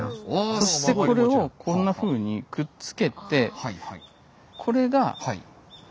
そしてこれをこんなふうにくっつけて。